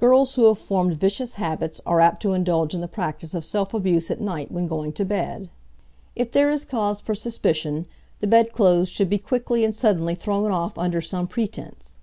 Girls who have formed vicious habits are apt to indulge in the practice of self abuse at night when going to bed. If there is cause for suspicion, the bedclothes should be quickly and suddenly thrown off under some pretense.